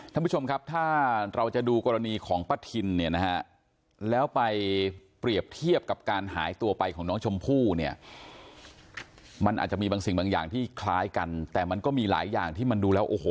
ท่านผู้ชมครับถ้าเราจะดูกรณีของป้าทินเนี่ยนะฮะแล้วไปเปรียบเทียบกับการหายตัวไปของน้องชมพู่เนี่ยมันอาจจะมีบางสิ่งบางอย่างที่คล้ายกันแต่มันก็มีหลายอย่างที่มันดูแล้วโอ้โห